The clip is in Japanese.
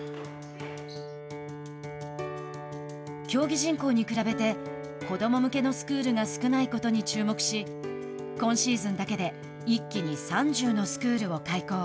競技人口に比べて子ども向けのスクールが少ないことに注目し今シーズンだけで一気に３０のスクールを開校。